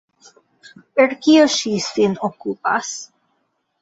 Per kio ŝi sin okupas?